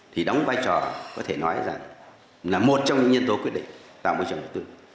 thì đóng vai trò có thể nói rằng là một trong những nhân tố quyết định tạo môi trường đầu tư